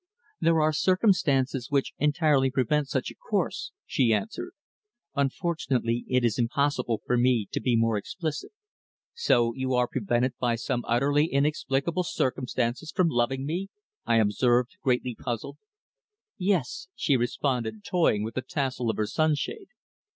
"There are circumstances which entirely prevent such a course," she answered. "Unfortunately, it is impossible for me to be more explicit." "So you are prevented by some utterly inexplicable circumstances from loving me?" I observed, greatly puzzled. "Yes," she responded, toying with the tassel of her sunshade.